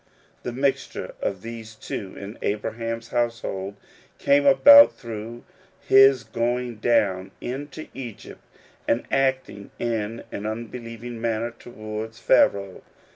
The mixture of these two in Abraham's household came about through his going down into Egypt and acting in an unbelieving manner towards Pharaoh.